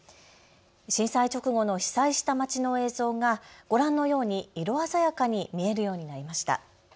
震災直後の被災した街の映像がご覧のように色鮮やかに見えるようになりました。